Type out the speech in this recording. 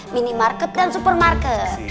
mini market dan supermarket